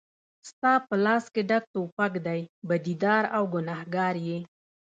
ستا په لاس کې ډک توپک دی بدي دار او ګنهګار یې